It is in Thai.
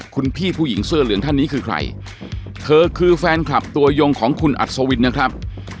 คุณพี่ผู้หญิงเสื้อเหลืองท่านนี้คือใครเธอคือแฟนคลับตัวยงของคุณอัศวินนะครับ